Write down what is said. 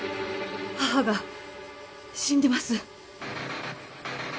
義母が死んでます。